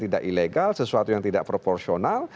tidak ilegal sesuatu yang tidak proporsional